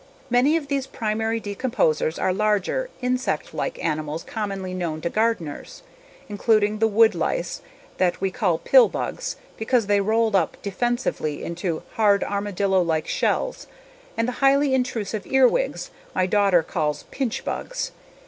Many of these primary decomposers are larger, insect like animals commonly known to gardeners, including the wood lice that we call pill bugs because they roll up defensively into hard armadillo like shells, and the highly intrusive earwigs my daughter calls pinch bugs.